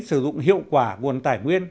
sử dụng hiệu quả nguồn tài nguyên